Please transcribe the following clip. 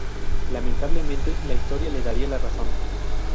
Lamentablemente la historia le daría la razón.